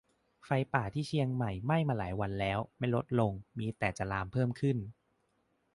ไฟป่าที่เชียงใหม่ไหม้มาหลายวันแล้ว ไม่ลดลง มีแต่จะลามเพิ่มขึ้น